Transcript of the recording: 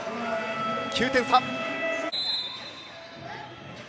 ９点差。